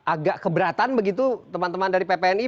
agak keberatan begitu teman teman dari ppni